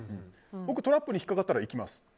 僕、トラップに引っかかったら行きます。